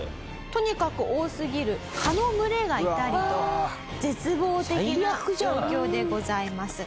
とにかく多すぎる蚊の群れがいたりと絶望的な状況でございます。